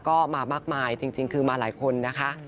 ก็มามากมายจริงคือมาหลายคนนะคะ